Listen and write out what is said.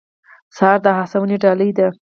سهار د هڅونې ډالۍ ده.